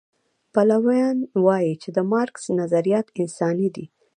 پلویان وایي چې د مارکس نظریات انساني دي.